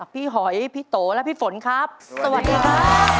หอยพี่โตและพี่ฝนครับสวัสดีครับ